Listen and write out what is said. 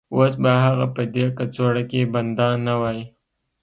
اوس به هغه په دې کڅوړه کې بنده نه وای